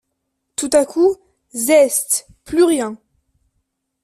Tout à coup… zeste ! plus rien.